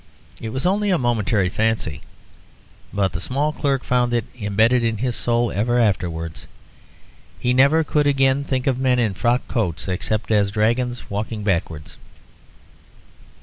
It was only a momentary fancy, but the small clerk found it imbedded in his soul ever afterwards. He never could again think of men in frock coats except as dragons walking backwards.